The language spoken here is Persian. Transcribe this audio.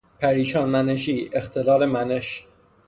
پریشان منشی، اختلال منش